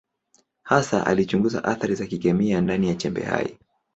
Hasa alichunguza athari za kikemia ndani ya chembe hai.